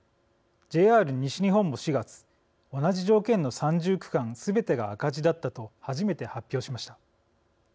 ＪＲ西日本も４月同じ条件の３０区間すべてが赤字だったと初めて発表しました。